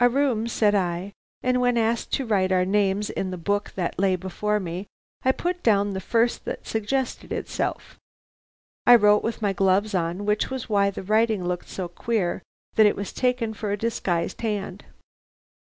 "'A room!' said I; and when asked to write our names in the book that lay before me, I put down the first that suggested itself. I wrote with my gloves on, which was why the writing looked so queer that it was taken for a disguised hand.